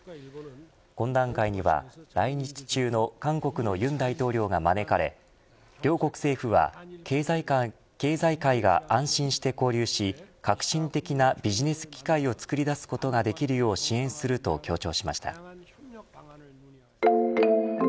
懇談会には来日中の韓国の尹大統領が招かれ両国政府は経済界が安心して交流し革新的なビジネス機会をつくり出すことができるよう支援すると強調しました。